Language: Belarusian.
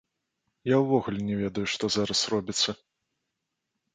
Я ўвогуле не ведаю, што зараз робіцца.